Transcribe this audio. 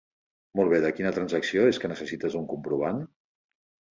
Molt bé, de quina transacció és que necessites un comprovant?